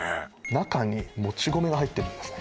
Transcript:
中にもち米が入ってるんですね